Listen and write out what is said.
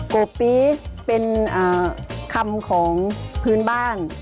โกปีสเป็นคำของพื้นบ้าน